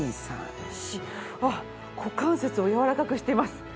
股関節をやわらかくしています。